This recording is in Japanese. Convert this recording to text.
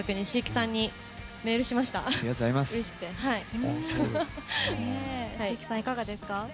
椎木さん、いかがですか？